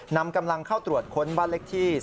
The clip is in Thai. นำกำลังเข้าตรวจค้นบ้านเล็กที่